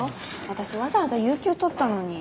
私わざわざ有給取ったのに。